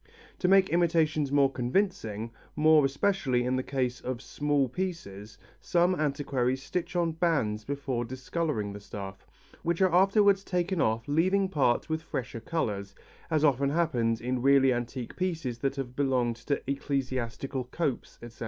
To make imitations more convincing, more especially in the case of small pieces, some antiquaries stitch on bands before discolouring the stuff, which are afterwards taken off leaving parts with fresher colours, as often happens in really antique pieces that have belonged to ecclesiastical copes, etc.